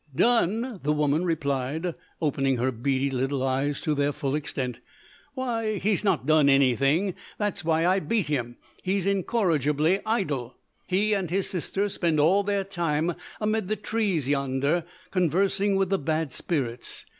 "Done!" the woman replied, opening her beady little eyes to their full extent; "why, he's not done anything that's why I beat him he's incorrigibly idle. He and his sister spend all their time amid the trees yonder conversing with the bad spirits.